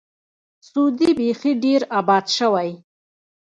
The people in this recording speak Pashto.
سعودي بیخي ډېر آباد شوی.